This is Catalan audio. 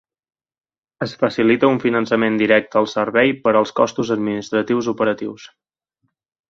Es facilita un finançament directe al servei per als costos administratius operatius.